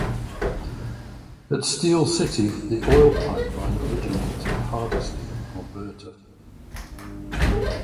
At Steele City, the oil pipeline originates at Hardisty, Alberta.